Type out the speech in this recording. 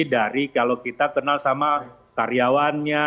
dari kalau kita kenal sama karyawannya